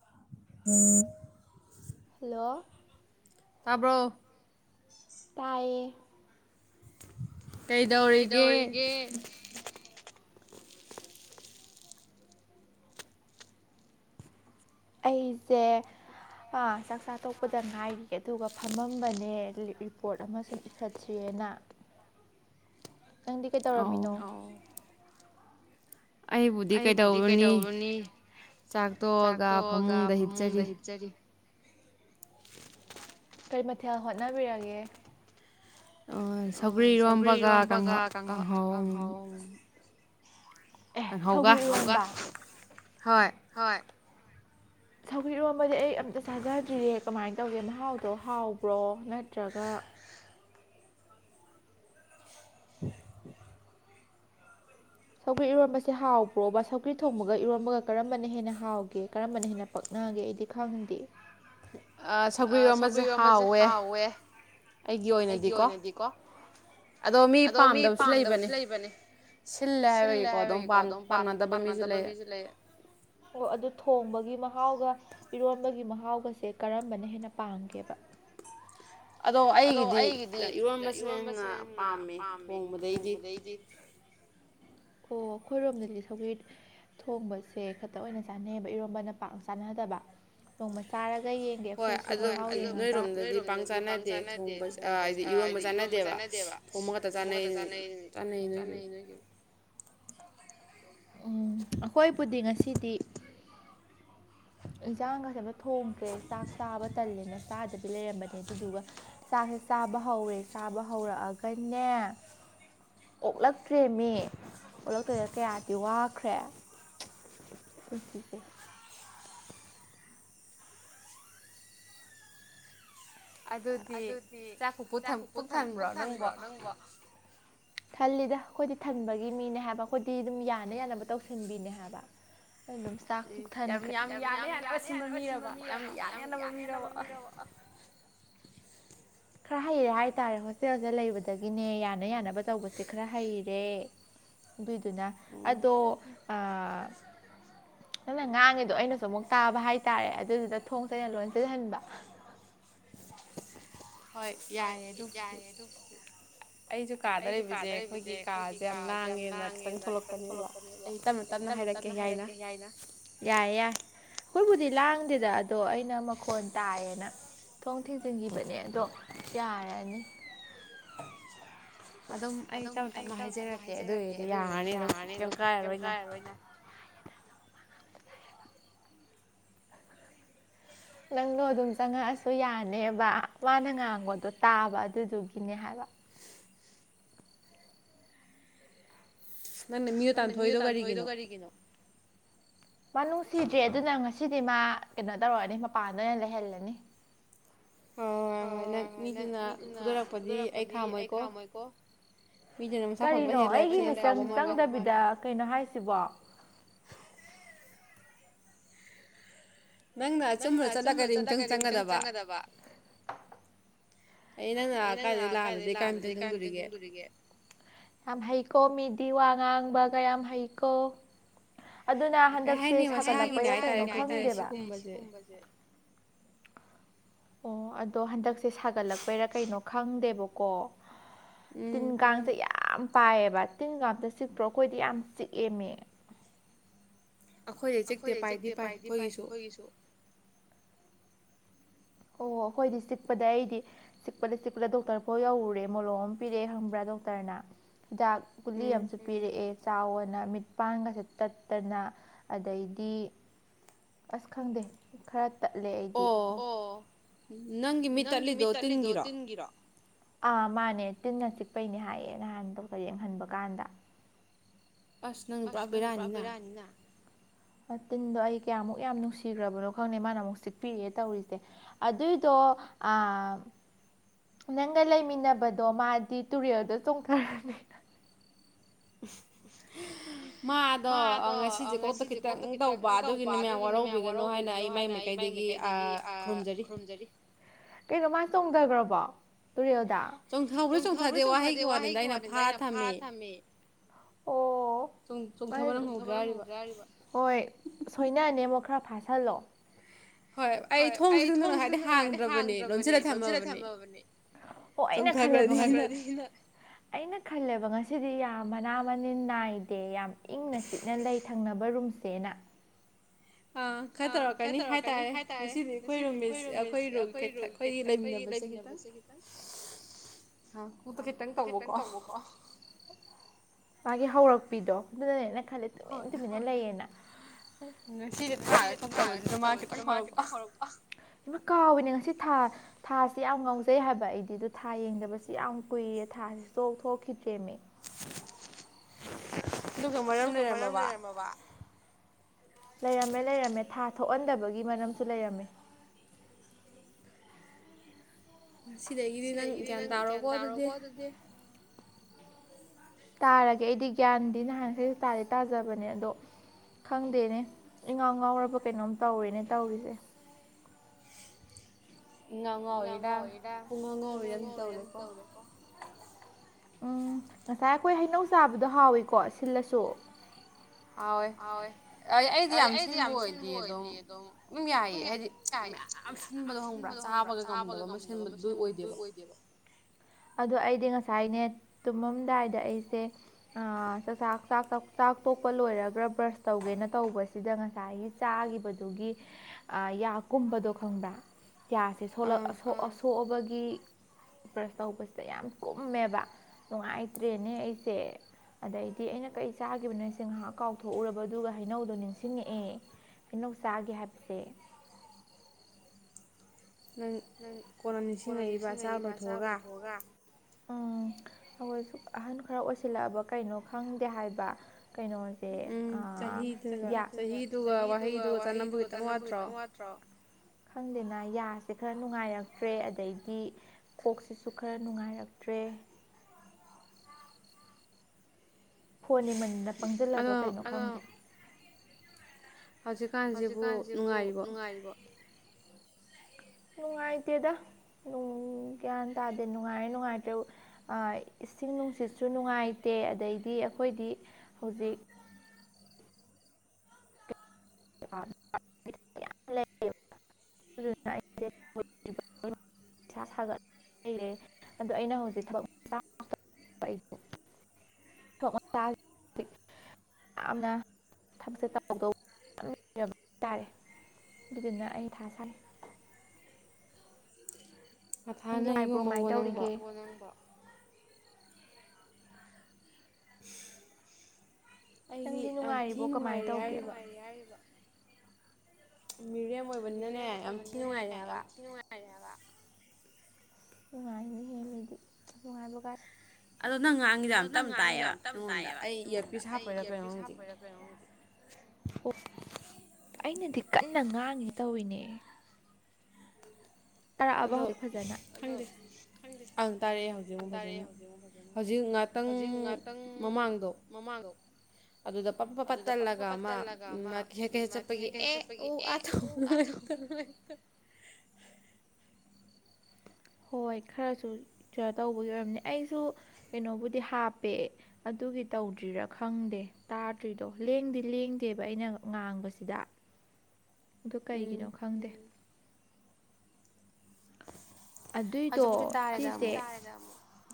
[unintelligible] Hello ꯇꯥꯕ꯭ꯔꯣ ꯇꯥꯌꯦ ꯀꯩꯗꯧꯔꯤꯒꯦ ꯑꯩꯁꯦ ꯆꯥꯛꯆꯥꯥ ꯇꯣꯛꯄꯗ ꯉꯥꯏꯔꯤꯌꯦ ꯑꯗꯨꯒ ꯐꯝꯃꯝꯕꯅꯦ ꯔꯤꯄꯣꯔꯠ ꯑꯃ ꯁꯨꯝ ꯏꯈꯠꯁ‌ꯦ ꯅ ꯅꯪꯗꯤ ꯀꯩ ꯇꯧꯔꯝꯃꯤꯅꯣ ꯑꯩꯕꯨꯗꯤ ꯀꯩꯗꯧꯔꯨꯅꯤ ꯆꯥꯛꯇꯣꯛꯑꯒ ꯐꯃꯨꯡꯗ ꯍꯤꯞꯆꯔꯤ ꯀꯩ ꯃꯊꯦꯜ ꯍꯣꯠꯅꯕꯤꯔꯒꯦ ꯑꯣ ꯁꯧꯒꯔꯤ ꯏꯔꯣꯝꯕꯒ ꯀꯥꯡꯍꯧ ꯀꯥꯡꯍꯧ ꯀꯪꯍꯧꯒ ꯍꯣꯏ ꯁꯧꯒ꯭ꯔꯤ ꯏꯔꯣꯝꯕꯗꯤ ꯑꯩ ꯑꯝꯇ ꯆꯥꯖꯗ꯭ꯔꯤꯌꯦ ꯀꯃꯥꯏ ꯇꯧꯒꯦ ꯃꯍꯥꯎꯗꯣ ꯍꯥꯎꯕ꯭ꯔꯣ ꯅꯠꯇ꯭ꯔꯒ [unintelligible] ꯁꯧꯒ꯭ꯔꯤ ꯏꯔꯣꯟꯕꯁꯦ ꯍꯥꯎꯕ꯭ꯔꯣꯕ ꯁꯧꯒ꯭ꯔꯤ ꯊꯣꯡꯕꯒ ꯏꯔꯣꯟꯕꯒ ꯀꯔꯝꯕꯅ ꯍꯦꯟꯅ ꯍꯥꯎꯒꯦ ꯀꯔꯝꯕꯅ ꯍꯦꯟꯅ ꯄꯛꯅꯒꯦ ꯑꯩꯗꯤ ꯈꯪꯗꯦ ꯁꯪꯒꯔꯤꯔꯣꯝꯕꯁꯦ ꯍꯥꯎꯋꯦ ꯑꯩꯒꯤ ꯑꯣꯏꯅꯗꯤꯀꯣ ꯑꯗꯣ ꯃꯤ ꯄꯥꯝꯗꯕꯁꯨ ꯂꯩꯕꯅꯦ ꯁꯤꯜꯂꯦ ꯍꯥꯏꯕꯒꯤꯀꯣ ꯑꯗꯨꯝ ꯄꯥꯝ ꯄꯥꯝꯅꯗꯕ ꯃꯤꯁꯨ ꯂꯩ ꯑꯣ ꯑꯗꯨ ꯊꯣꯡꯕꯒꯤ ꯃꯍꯥꯎꯒ ꯏꯔꯣꯟꯕꯒꯤ ꯃꯍꯥꯎꯒꯁꯦ ꯀꯔꯝꯕꯅ ꯍꯦꯟꯅ ꯄꯥꯝꯒꯦꯕ ꯑꯗꯣ ꯑꯩꯒꯤꯗꯤ ꯏꯔꯣꯟꯕꯁꯤꯅ ꯍꯦꯟꯅ ꯄꯥꯝꯃꯦ ꯊꯣꯡꯕꯗꯩꯗꯤ ꯑꯣ ꯑꯩꯈꯣꯏꯔꯣꯝꯗꯗꯤ ꯁꯧꯒ꯭ꯔꯤ ꯊꯣꯡꯕꯁꯦ ꯈꯛꯇ ꯑꯣꯏꯅ ꯆꯥꯅꯩꯌꯦꯕ ꯏꯔꯣꯝꯕꯅ ꯄꯥꯛ ꯆꯥꯅꯗꯕ ꯅꯣꯡꯃ ꯆꯥꯔꯒ ꯌꯦꯡꯒꯦ ꯑꯩꯈꯣꯏꯁꯨ ꯃꯍꯥꯎ ꯌꯦꯡꯉꯒ ꯅꯣꯏꯔꯣꯝꯗꯗꯤ ꯄꯥ ꯆꯥꯅꯗꯦ ꯊꯣꯡ ꯍꯥꯏꯗꯤ ꯏꯔꯣꯟꯕ ꯆꯥꯅꯗꯦꯕ ꯊꯣꯡꯕ ꯈꯛꯇ ꯆꯥꯟꯅꯩ ꯆꯅꯩ ꯅꯣꯏꯒꯤ ꯎꯝ ꯑꯈꯣꯏꯕꯨꯗꯤ ꯉꯁꯤꯗꯤ ꯏꯟꯖꯥꯡꯒꯁꯦ ꯊꯣꯡꯗ꯭ꯔꯦ ꯆꯥꯛ ꯆꯥꯕ ꯇꯜꯂꯦꯅ ꯆꯥꯗꯕꯤ ꯂꯩꯔꯝꯕꯅꯦ ꯑꯗꯨꯗꯨꯒ ꯆꯥꯛꯁꯦ ꯆꯥꯕ ꯍꯧꯔꯦ ꯆꯥꯕ ꯍꯧꯔꯛꯑꯒꯅꯦ ꯑꯣꯛꯂꯛꯇ꯭ꯔꯦ ꯃꯤ ꯑꯣꯛꯂꯛꯇꯗꯅ ꯀꯌꯥꯗꯤ ꯋꯥꯈ꯭ꯔꯦ ꯄꯨꯟꯁꯤꯁꯦ ꯑꯗꯨꯗꯤ ꯆꯥꯛꯄꯨ ꯄꯨꯛꯊꯟꯕ꯭ꯔꯣ ꯅꯪꯕꯣ ꯊꯜꯂꯤꯗ ꯑꯈꯣꯏꯗꯤ ꯊꯟꯕꯒꯤ ꯃꯤꯅꯦ ꯍꯥꯏꯕ ꯑꯩꯈꯣꯏꯗꯤ ꯑꯗꯨꯝ ꯌꯥꯅ ꯌꯥꯅꯕ ꯇꯧꯁꯤꯟꯕꯤꯅꯦ ꯍꯥꯏꯕ ꯑꯗꯨꯝ ꯆꯥꯛ ꯄꯨꯛꯊꯟꯈ꯭ꯔꯦ ꯌꯥꯝ ꯌꯥꯝ ꯌꯥꯅ ꯌꯥꯅꯕ ꯁꯤꯟꯕ ꯃꯤꯔꯕ ꯌꯥꯝ ꯌꯥꯅ ꯌꯥꯅꯕ ꯃꯤꯔꯕ [unintelligible] ꯈꯔ ꯍꯩꯔꯦ ꯍꯥꯏꯇꯥꯔꯦ ꯍꯣꯁꯇꯦꯜꯁꯦ ꯂꯩꯕꯗꯒꯤꯅꯦ ꯌꯥꯅ ꯌꯥꯅꯕ ꯇꯧꯕꯁꯦ ꯈꯔ ꯍꯩꯔꯦ ꯑꯗꯨ ꯑꯗꯨꯅ ꯑꯗꯣ ꯅꯪꯅ ꯉꯥꯡꯉꯤꯗꯣ ꯑꯩꯅꯁꯨ ꯑꯃꯨꯛ ꯇꯥꯕ ꯍꯥꯏꯇꯥꯔꯦ ꯑꯗꯨꯗꯨꯗ ꯊꯣꯡꯁꯦ ꯑꯩꯅ ꯂꯣꯟꯁꯤꯜꯍꯟꯕ ꯍꯣꯏ ꯌꯥꯏ ꯑꯗꯨ ꯑꯩꯁꯨ ꯀꯥꯗ ꯂꯩꯕꯁꯦ ꯑꯈꯣꯏꯒꯤ ꯀꯥꯁꯦ ꯌꯥꯝ ꯂꯥꯡꯉꯦꯅ ꯈꯤꯇꯪ ꯊꯣꯛꯂꯛꯄꯅꯦꯕ ꯑꯩ ꯇꯞꯅ ꯇꯞꯅ ꯍꯥꯏꯔꯛꯀꯦ ꯌꯥꯏꯅ ꯌꯥꯏꯌꯦ ꯌꯥꯏ ꯈꯣꯏꯕꯨꯗꯤ ꯂꯥꯡꯗꯦꯗ ꯑꯗꯣ ꯑꯩꯅ ꯃꯈꯣꯟ ꯇꯥꯏꯌꯦꯅ ꯊꯣꯡ ꯊꯤꯡꯖꯤꯟꯒꯤꯕꯅꯦ ꯑꯗꯣ ꯌꯥꯔꯅꯤ ꯑꯗꯨꯝ ꯑꯩ ꯇꯞꯅ ꯇꯞꯅ ꯍꯥꯏꯖꯔꯛꯀꯦ ꯑꯗꯨꯒꯤꯗꯤ ꯌꯥꯔꯅꯤ ꯑꯗꯨꯝ ꯀꯩꯝ ꯀꯥꯏꯔꯔꯣꯏꯅ ꯅꯪꯗ‌ꯣ ꯑꯗꯨꯝ ꯆꯪꯉꯛꯑꯁꯨ ꯌꯥꯅꯦꯕ ꯃꯥꯅ ꯉꯥꯡꯕꯗꯣ ꯇꯥꯕ ꯑꯗꯨꯗꯨꯒꯤꯅꯦ ꯍꯥꯏꯕ ꯅꯪꯅ ꯃꯤꯗꯣ ꯇꯥꯟꯊꯣꯛ ꯏꯗꯣ ꯀꯔꯤꯒꯤꯅꯣ ꯃꯥ ꯅꯨꯡꯁꯤꯗ꯭ꯔꯦ ꯑꯗꯨꯅ ꯉꯁꯤꯗꯤ ꯃꯥ ꯀꯩꯅꯣ ꯇꯧꯔꯅꯤ ꯃꯄꯥꯟꯗ ꯑꯣꯏꯅ ꯂꯩꯍꯜꯂꯅꯤ ꯍꯣꯏ ꯍꯣꯏ ꯍꯣꯏ ꯍꯣꯏ ꯅꯪ ꯃꯤꯗꯨꯅ ꯐꯨꯗꯔꯛꯄꯗꯤ ꯑꯩ ꯈꯥꯃꯣꯏꯀꯣ ꯀꯔꯤꯅꯣ ꯑꯩꯒꯤ ꯃꯤꯆꯪ ꯆꯪꯗꯕꯤꯗ ꯀꯩꯅꯣ ꯍꯥꯏꯁꯤꯕꯣ ꯅꯪꯅ ꯑꯆꯨꯝꯕ ꯆꯠꯂꯒ ꯀꯔꯤ ꯃꯤꯆꯪ ꯆꯪꯒꯗꯕ ꯑꯩ ꯅꯪꯅ ꯀꯥꯏꯗꯩ ꯂꯥꯜꯂꯗꯤ ꯀꯥꯏꯝꯇꯪ ꯆꯪꯗꯣꯔꯤꯒꯦ ꯌꯥꯝ ꯍꯩꯀꯣ꯫ ꯍꯣ ꯃꯤꯗꯤ ꯋꯥ ꯉꯥꯡꯕꯒ ꯌꯥꯝ ꯍꯩꯀꯣ꯫ ꯑꯗꯨꯅ ꯍꯟꯗꯛꯁꯦ ꯁꯥꯒꯠꯂꯛꯄꯩꯗ ꯀꯩꯅꯣ ꯈꯪꯗꯦꯕ꯫ ꯑꯣ ꯑꯗꯣ ꯍꯟꯗꯛꯁꯦ ꯁꯥꯒꯠꯂꯛꯄ ꯄꯩꯔ ꯀꯩꯅꯣ ꯈꯪꯗꯦꯕꯀꯣ ꯇꯤꯟ ꯀꯥꯡꯁꯦ ꯌꯥꯝ ꯄꯥꯏꯑꯕ ꯇꯤꯟꯒ ꯑꯝꯇ ꯆꯤꯛꯇ ꯔꯣ ꯑꯩꯈꯣꯏꯗꯤ ꯌꯥꯝ ꯆꯤꯛꯑꯦꯃꯤ ꯫ ꯑꯩꯈꯣꯏꯗ ꯆꯤꯛꯇꯦ ꯄꯥꯏꯗꯤ ꯄꯥꯏ ꯑꯩꯈꯣꯏꯒꯤꯁꯨ꯫ ꯑꯣ ꯑꯩꯈꯣꯏꯗꯤ ꯆꯤꯛꯄꯗ ꯑꯩꯗꯤ ꯆꯤꯛꯄꯗ ꯆꯤꯛꯄꯗ ꯗꯣꯛꯇꯔꯐꯥꯎ ꯌꯧꯔꯨꯔꯦ ꯃꯣꯂꯣꯝ ꯑꯃꯝ ꯄꯤꯔꯛꯑꯦ ꯈꯡꯕ꯭ꯔꯥ ꯗꯣꯛꯇꯔꯅ꯫ ꯍꯤꯗꯥꯛ ꯒꯤꯂꯤ ꯑꯃꯁꯨ ꯄꯤꯔꯛꯑꯦ꯫ ꯆꯥꯎꯅ ꯃꯤꯠꯄꯥꯡꯒꯁꯦ ꯇꯠꯇꯅ ꯑꯗꯩꯗꯤ ꯑꯁ ꯈꯪꯗꯦ ꯈꯔ ꯇꯠꯂꯦ ꯑꯩꯗꯤ ꯑꯣ꯫ ꯅꯪꯒꯤ ꯃꯤꯠ ꯇꯠꯂꯤꯗꯣ ꯇꯤꯟꯒꯤꯔꯣ? ꯑꯥ ꯃꯥꯅꯦ ꯇꯤꯟꯅ ꯆꯤꯛꯄꯩꯅꯦ ꯍꯥꯏꯌꯦ ꯅꯍꯥꯟ ꯗꯣꯛꯇꯔ ꯌꯦꯡꯍꯟꯕ ꯀꯥꯟꯗ꯫ ꯑꯁ ꯅꯪꯅ ꯄꯨꯔꯥ ꯕꯦꯔꯥꯅꯤꯅ꯫ ꯇꯤꯟꯗꯣ ꯑꯩ ꯀꯌꯥꯃꯨꯛ ꯌꯥꯝ ꯅꯨꯡꯁꯤꯈ꯭ꯔꯕꯅꯣ ꯈꯪꯗꯦ ꯃꯥꯅ ꯑꯃꯨꯛ ꯆꯤꯛꯄꯤꯔꯛꯑꯦ ꯇꯧꯔꯤꯁꯦ ꯑꯗꯨꯏꯗꯣ ꯑꯥ ꯅꯪꯒ ꯂꯩꯃꯤꯟꯅꯕꯗꯣ ꯃꯥꯗꯤ ꯇꯨꯔꯦꯜꯗꯣ ꯆꯣꯡꯊꯔꯅꯤ [inaudible] ꯃꯥꯗꯣ ꯉꯁꯤꯁꯦ ꯀꯣꯛꯇ ꯈꯤꯇꯪ ꯇꯧꯕ ꯑꯗꯨꯒꯤꯅꯤ ꯃꯌꯥꯝ ꯋꯥꯔꯧꯕꯤꯒꯅꯨ ꯍꯥꯏꯅ ꯑꯩ ꯃꯥꯏ ꯃꯥꯏꯀꯩꯗꯒꯤ ꯑꯥ ꯈꯨꯔꯨꯝꯖꯔꯤ꯫ ꯀꯩꯅꯣꯃꯥ ꯆꯣꯡꯗ ꯒꯔꯕꯣ? ꯇꯨꯔꯦꯜꯗ ꯆꯣꯡꯊꯗꯤ ꯆꯣꯡꯊꯗꯦ ꯋꯥꯍꯩꯒꯤ ꯋꯥꯅꯤꯗ ꯑꯩꯅ ꯐꯥꯔ ꯊꯝꯃꯤ ꯑꯣ꯫ ꯍꯣꯏ ꯁꯣꯏꯅꯥꯅꯦ ꯑꯃꯨꯛ꯫ ꯈꯔ ꯐꯥꯁꯜꯂꯣ꯫ ꯍꯣꯏ ꯑꯩ ꯊꯣꯡꯁꯤꯅ ꯉꯥꯁꯥꯏꯗꯩꯩ ꯍꯥꯡꯗ꯭ꯔꯕꯅꯤ ꯂꯣꯟꯁꯤꯜꯂ ꯊꯝꯃꯕꯅꯤ ꯑꯣ ꯑꯩꯅ ꯈꯜꯦ ꯑꯩꯅ ꯈꯜꯂꯦꯕ ꯉ ꯁꯤꯗꯤ ꯌꯥꯝ ꯃꯅꯥ ꯃꯅꯤꯟ ꯅꯥꯏꯗꯦ ꯌꯥꯝ ꯏꯪꯅ ꯆꯤꯛꯅ ꯂꯩ ꯊꯪꯅꯕ ꯔꯨꯝꯁꯦꯅ꯫ ꯑ ꯈꯔ ꯇꯧꯔꯛꯀꯅꯤ ꯍꯥꯏꯇꯥꯔꯦ ꯉꯁꯤꯗꯤ ꯑꯩꯈꯣꯏ ꯔꯨꯝꯃꯦꯠꯁꯤ ꯑꯩꯈꯣꯏ ꯑꯩꯈꯣꯏꯒꯤ ꯂꯩꯃꯤꯟꯅꯕꯁꯦ ꯈꯤꯇꯪ ꯑꯄ ꯈꯤꯇꯪ ꯇꯧꯕꯀꯣ꯫ ꯃꯥꯒꯤ ꯍꯧꯔꯛꯄꯤꯗꯣ ꯑꯗꯨꯅꯅꯤꯅꯦ꯫ ꯈꯜꯂꯦ ꯇꯨꯃꯤꯟ ꯇꯨꯃꯤꯟꯅ ꯂꯩꯌꯦꯅ ꯫ ꯉꯁꯤꯗꯤ ꯃꯄꯥꯟ ꯊꯣꯛꯇꯕꯁꯤꯗ ꯃꯥ ꯈꯤꯇꯪ ꯍꯧꯔꯛꯄ ꯏꯃꯥ ꯀꯥꯎꯔꯤꯅꯦ ꯉꯁꯤ ꯊꯥ ꯊꯥꯁꯦ ꯌꯥꯝ ꯉꯥꯎꯖꯩ ꯍꯥꯏꯕ ꯑꯩꯗꯤ ꯑꯗꯨꯣ ꯊꯥ ꯌꯦꯡꯗꯕꯁꯨ ꯌꯥꯝ ꯀꯨꯏꯔꯦ ꯊꯥꯁꯤꯁꯨ ꯊꯣꯛꯈꯤꯗ꯭ꯔꯦꯃꯤ ꯫ [inaudible] ꯑꯗꯨꯒ ꯃꯔꯝ ꯂꯩꯔꯝꯃꯕ ꯂꯩꯔꯝꯃꯦ ꯂꯩꯔꯝꯃꯦ ꯊꯥ ꯊꯣꯛꯍꯟꯗꯕꯒꯤ ꯃꯔꯝꯁꯨ ꯂꯩꯔꯝꯃꯦ ꯁꯤꯗꯒꯤꯗꯤ ꯅꯪ ꯒ꯭ꯌꯥꯟ ꯇꯥꯔꯣꯀꯣ ꯑꯗꯨꯗꯤ ꯇꯥꯔꯒꯦ ꯑꯩꯗꯤ ꯒ꯭ꯌꯥꯟꯗꯤ ꯅꯍꯥꯟꯈꯩꯁꯨ ꯇꯥꯗꯥ ꯇꯥꯖꯕꯅꯦ ꯑꯗꯣ ꯈꯪꯗꯦꯅꯦ ꯏꯉꯥꯎ ꯉꯥꯎꯔꯕ ꯀꯩꯅꯣꯝ ꯇꯧꯔꯦꯅꯦ ꯇꯧꯔꯤꯁꯦ ꯏꯉꯥꯎ ꯉꯥꯎꯔꯤꯔꯥ ꯄꯨꯡ ꯉꯥꯎ ꯉꯥꯎꯔꯤꯔꯥ ꯑꯝꯗꯤ ꯇꯧꯔꯦꯀꯣ ꯎꯝ ꯉꯁꯥꯏ ꯑꯈꯣꯏ ꯍꯩꯅꯧ ꯆꯥꯕꯗꯣ ꯍꯥꯎꯋꯤꯀꯣ ꯁꯤꯜꯂꯁꯨ ꯍꯥꯎꯋꯦ ꯑꯩꯗꯤ ꯌꯥꯝ ꯁꯤꯟꯕ ꯑꯣꯏꯗꯤ ꯑꯗꯨꯝ [unintelligible] ꯌꯥꯏꯌꯦ ꯍꯥꯏꯗꯤ ꯃꯌꯥꯝ ꯁꯤꯟꯕꯗꯣ ꯈꯪꯕ꯭ꯔꯥ ꯆꯥꯕꯗ ꯆꯥꯕꯒ ꯉꯝꯗꯕ ꯑꯃ ꯁꯤꯟꯕꯗꯨ ꯑꯗꯨ ꯑꯣꯏꯗꯦꯕ ꯑꯗꯣ ꯑꯩꯗꯤ ꯉꯁꯥꯏꯅꯦ ꯇꯨꯝꯃꯝꯗꯥꯏꯗ ꯑꯩꯁꯦ ꯆꯥꯛ ꯆꯥꯛ ꯆꯥꯛ ꯆꯥꯛ ꯇꯣꯛꯄ ꯂꯣꯏꯔꯒꯥ ꯕ꯭ꯔꯁ ꯇꯧꯒꯦꯅ ꯇꯧꯕꯁꯤꯗ ꯉꯁꯥꯏꯒꯤ ꯆꯥꯒꯤꯕꯗꯨꯒꯤ ꯌꯥ ꯀꯨꯝꯕꯗꯣ ꯈꯪꯕ꯭ꯔꯥ [unintelligible] ꯕ꯭ꯔꯁ ꯇꯧꯕꯁꯤꯗ ꯌꯥꯝ ꯀꯨꯝꯃꯦꯕ ꯅꯨꯡꯉꯥꯏꯇ꯭ꯔꯦꯅꯦ ꯑꯩꯁꯦ ꯑꯗꯩꯗꯤ ꯑꯩꯅ ꯀꯩ ꯆꯥꯒꯤꯕꯅꯣꯁꯦ ꯉꯍꯥꯛ ꯀꯥꯎꯊꯣꯛꯎꯔꯕ ꯑꯗꯨꯒ ꯍꯩꯅꯧꯗꯣ ꯅꯤꯡꯁꯤꯡꯉꯛꯑꯦ ꯍꯩꯅꯧ ꯆꯥꯒꯤ ꯍꯥꯏꯕꯁꯦ ꯅꯪ ꯀꯣꯟꯅ ꯅꯤꯡꯁꯤꯡꯉꯛꯏꯕ ꯆꯥ ꯂꯣꯏꯊꯣꯛꯑꯒ ꯎꯝ ꯑꯈꯣꯏꯁꯨ ꯑꯍꯟ ꯈꯔ ꯑꯣꯏꯁꯤꯜꯂꯛꯑꯕ ꯀꯩꯅꯣ ꯈꯪꯗꯦ ꯍꯥꯏꯕ ꯀꯩꯅꯣꯁꯦ ꯆꯍꯤꯗꯨꯒ ꯋꯥꯍꯩꯗꯨꯒ ꯆꯥꯟꯅꯕ ꯈꯤꯇꯪ ꯋꯥꯠꯇ꯭ꯔꯣ ꯈꯪꯗꯦꯅꯥ ꯌꯥꯁ ꯁꯤ ꯈꯔ ꯅꯨꯡꯉꯥꯏꯔꯛꯇ꯭ꯔꯦ ꯑꯗꯩꯗꯤ ꯀꯣꯛꯁꯤꯁꯨ ꯈꯔ ꯅꯨꯡꯉꯥꯏꯔꯛꯇ꯭ꯔꯦ ꯐꯣꯟ ꯌꯦꯡꯃꯟꯗꯅ ꯄꯪꯁꯤꯜꯂꯕ ꯀꯩꯅꯣ ꯍꯧꯖꯤꯛꯀꯥꯟꯁꯤꯕꯨ ꯅꯨꯡꯉꯥꯏꯔꯤꯕꯣ ꯅꯨꯡꯉꯥꯏꯇꯦꯗ ꯒ꯭ꯌꯥꯟ ꯇꯥꯗꯦ ꯅꯨꯡꯉꯥꯏꯔ ꯅꯨꯡꯉꯥꯏꯇ꯭ꯔꯤꯔ ꯏꯁꯤꯡ ꯅꯨꯡꯁꯤꯠꯁꯨ ꯅꯨꯡꯉꯥꯏꯇꯦ ꯑꯗꯩꯗꯤ ꯑꯈꯣꯏꯗꯤ ꯍꯧꯖꯤꯛ [unintelligible] ꯥ [unintelligible] ꯑꯗꯣ ꯑꯩꯅ ꯍꯧꯖꯤꯛ ꯊꯕꯛ [unintelligible] ꯌꯥꯝꯅ ꯊꯕꯛꯁꯦ ꯇꯧꯗꯧꯕ ꯇꯥꯔꯦ ꯑꯗꯨꯗꯨꯅ ꯑꯩ ꯃꯊꯥ ꯁꯥꯏ [unintelligible] ꯅꯨꯡꯉꯥꯏꯕ꯭ꯔꯣ ꯀꯃꯥꯏꯅ ꯇꯧꯔꯤꯒꯦ ꯅꯪꯗꯤ ꯅꯨꯡꯉꯥꯏꯔꯤꯕꯣ ꯀꯃꯥꯏꯅ ꯇꯧꯒꯦ ꯃꯤꯔꯦꯝ ꯑꯣꯏꯕꯅꯤꯅꯅꯦ ꯌꯥꯝ ꯊꯤ ꯅꯨꯡꯉꯥꯏꯔꯤ ꯍꯥꯏꯕ ꯅꯨꯡꯉꯥꯏꯅꯤ ꯍꯦ ꯃꯤꯗꯤ ꯅꯨꯡꯉꯥꯏꯕ ꯀꯥꯁꯦ ꯑꯗꯣ ꯅꯪ ꯉꯥꯡꯉꯤꯗꯤ ꯌꯥꯝ ꯇꯝ ꯇꯥꯏꯌꯦꯕ ꯑꯩꯉꯣꯟꯗ ꯑꯩ ꯏꯌꯥꯔꯄꯤꯁ ꯍꯥꯞꯄꯩꯔ ꯀꯩꯅꯣ ꯈꯪꯗꯦ ꯑꯩꯅꯗꯤ ꯀꯟꯅ ꯉꯥꯡꯉꯤ ꯇꯧꯔꯤꯅꯦ ꯇꯥꯔꯛꯑꯕ ꯍꯧꯖꯤꯛ ꯐꯖꯅ ꯑꯗꯣ ꯈꯪꯗ ꯇꯔꯛꯑꯦ ꯍꯧꯖꯤꯛꯐꯨꯛ ꯐꯖꯅ ꯍꯧꯖꯤꯛ ꯉꯥꯛꯇꯪ ꯃꯃꯥꯡꯗꯣ ꯑꯗꯨꯗ ꯄꯞ ꯄꯞ ꯄꯞ ꯇꯜꯂꯒ ꯑꯃ ꯃꯥ ꯍꯦꯛꯀꯩ ꯍꯦꯛ ꯆꯠꯄꯒꯤ ꯑꯦ ꯎ ꯑꯥ ꯍꯣꯏ ꯈꯔꯁꯨ ꯇꯧꯕꯒꯤ ꯑꯣꯏꯔꯝꯅꯦ ꯑꯩꯁꯨ ꯀꯩꯅꯣꯕꯨꯗꯤ ꯍꯥꯞꯄꯦ ꯑꯗꯨꯒꯤ ꯇꯧꯗ꯭ꯔꯤꯔꯥ ꯈꯪꯗꯦ ꯇꯥꯗ꯭ꯔꯤꯗꯣ ꯂꯦꯡꯗꯤ ꯂꯦꯡꯗꯦꯕ ꯑꯩꯅ ꯉꯥꯡꯕꯁꯤꯗ ꯑꯗꯨ ꯀꯩꯒꯤꯅꯣ ꯈꯪꯗꯦ ꯑꯗꯨꯏꯗꯣ ꯁꯤꯁꯦ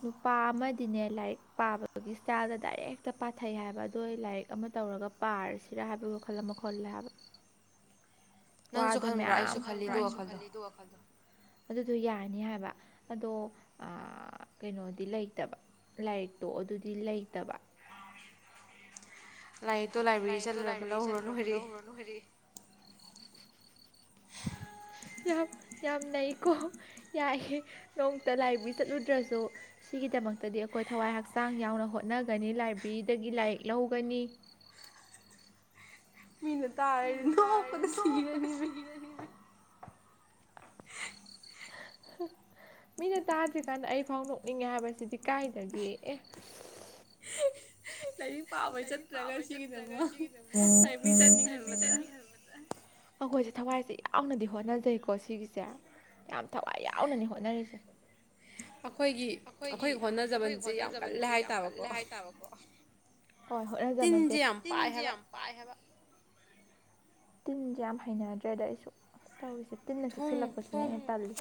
ꯅꯨꯄꯥ ꯑꯃ ꯇꯤꯅꯦ ꯂꯥꯏꯔꯤꯛ ꯄꯥꯕꯒꯤ ꯏꯁꯇꯥꯏꯜꯗ ꯗꯥꯏꯔꯦꯛ ꯍꯦꯛꯇꯥ ꯄꯥꯊꯩ ꯍꯥꯏꯕ ꯑꯗꯣ ꯂꯥꯏꯔꯤꯛ ꯑꯃ ꯇꯧꯔꯒ ꯄꯥꯔꯁꯤꯔꯥ ꯍꯥꯏꯕꯒꯤ ꯋꯥꯈꯜ ꯑꯃ ꯈꯣꯜꯂꯦ ꯍꯥꯏꯕ ꯋꯥꯗꯣ ꯃꯌꯥꯝ ꯅꯪꯁꯨ ꯈꯟꯕ꯭ꯔ ꯑꯩꯁꯨ ꯈꯜꯂꯤ ꯑꯗꯨ ꯋꯥꯈꯜꯗꯣ ꯑꯗꯨ ꯑꯗꯨ ꯌꯥꯅꯤ ꯍꯥꯏꯕ ꯑꯗꯣ ꯀꯩꯅꯣꯗꯤ ꯂꯩꯇꯕ ꯂꯥꯏꯔꯤꯛꯇꯣ ꯑꯗꯨꯗꯤ ꯂꯩꯇꯕ ꯂꯥꯏꯔꯤꯛꯇꯣ ꯂꯥꯏꯕ꯭ꯔꯦꯔꯤ ꯆꯠꯂꯨꯔꯒ ꯂꯧꯔꯨꯔ ꯂꯣꯏꯔꯦ ꯌꯥꯝ ꯌꯥꯝꯅꯩꯀꯣ ꯌꯥꯏꯌꯦ ꯅꯣꯡꯇ ꯂꯥꯏꯕ꯭ꯔꯦꯔꯤ ꯆꯠꯂꯨꯗ꯭ꯔꯁꯨ ꯁꯤꯒꯤꯗꯃꯛꯇꯗꯤ ꯑꯩꯈꯣꯏ ꯊꯋꯥꯏ ꯍꯛꯆꯥꯡ ꯌꯥꯎꯅ ꯍꯣꯠꯅꯒꯅꯤ ꯂꯥꯏꯕ꯭ꯔꯦꯔꯤꯗꯒꯤ ꯂꯥꯏꯔꯤꯛ ꯂꯧꯒꯅꯤ ꯃꯤꯅ ꯇꯥꯔꯗꯤ ꯅꯣꯛꯄꯗ ꯁꯤꯔꯅꯤ ꯃꯤꯅ ꯇꯥꯗ꯭ꯔꯤꯀꯥꯟꯗ ꯑꯩ ꯐꯥꯎ ꯅꯣꯛꯅꯤꯡꯉꯦ ꯍꯥꯏꯕꯁꯤꯗꯤ ꯀꯥꯏꯗꯒꯤ ꯑꯦ ꯂꯥꯏꯔꯤꯛ ꯄꯥꯝꯕꯩ ꯆꯠꯇ꯭ꯔꯒ ꯁꯤꯒꯤꯗꯃ ꯂꯥꯏꯕꯦꯔꯤ ꯆꯠꯅꯤ ꯈꯟꯕꯗꯥ ꯆꯥꯠꯅꯤ ꯈꯟꯕꯥꯗ ꯑꯩꯈꯣꯏꯁꯦ ꯊꯋꯥꯏꯁꯦ ꯌꯥꯎꯅꯗꯤ ꯍꯣꯠꯅꯖꯩꯀꯣ ꯁꯤꯒꯤꯁꯦ ꯌꯥꯝ ꯊꯋꯥꯏ ꯌꯥꯎꯅꯅꯤ ꯍꯣꯠꯅꯔꯤꯁꯦ ꯑꯩꯈꯣꯏꯒꯤ ꯑꯩꯈꯣꯏꯒꯤ ꯍꯣꯠꯅꯖꯃꯟꯁꯦ ꯌꯥꯝ ꯀꯜꯂꯦ ꯍꯥꯏꯇꯥꯥꯕꯀꯣ ꯍꯣꯏ ꯍꯣꯠꯅꯖꯃꯟꯁꯦ ꯇꯤꯟꯁꯦ ꯌꯥꯝ ꯄꯥꯏ ꯍꯥꯏꯕ ꯇꯤꯟꯁꯦ ꯌꯥꯝ ꯍꯩꯅꯗ꯭ꯔꯦꯗ ꯑꯩꯁꯨ ꯇꯧꯔꯤꯁꯦ ꯇꯤꯟꯅ ꯆꯤꯛꯁꯤꯜꯂꯛꯄꯁꯤꯅꯦ ꯑꯩꯅꯥ ꯇꯜꯂꯤ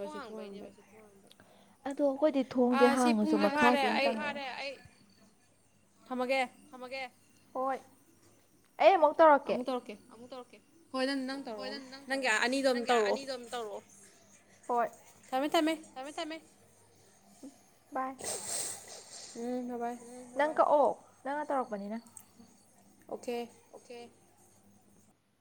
ꯊꯣꯡ ꯍꯥꯡꯕꯩꯅꯦꯕꯁꯦ ꯑꯗꯣ ꯑꯩꯈꯣꯏꯗꯤ ꯊꯣꯡꯁꯦ ꯍꯥꯡ ꯊꯝꯃꯒꯦ ꯍꯣꯏ ꯑꯩ ꯑꯃꯨꯛ ꯇꯧꯔꯛꯀꯦ ꯑꯃꯨꯛ ꯇꯧꯔꯛꯀꯦ ꯍꯣꯏ ꯅꯪ ꯅꯪ ꯇꯧꯔꯛꯑꯣ ꯅꯪ ꯒꯤ ꯑꯅꯤꯗꯣ ꯑꯗꯨꯝ ꯇꯧꯔꯛꯑꯣ ꯍꯣꯏ ꯊꯝꯃꯦ ꯊꯝꯃꯦ ꯎ ꯎꯝ ꯉꯕꯥꯥꯏ ꯅꯪꯅ ꯇꯧꯔꯛꯄꯅꯤꯅ ꯑꯣꯀꯦ